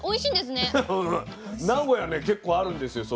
名古屋ね結構あるんですよ